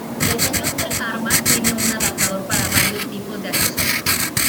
El cañón del arma tiene un adaptador para varios tipos de accesorios.